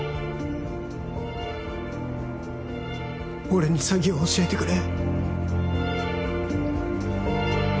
俺に詐欺を教えてくれ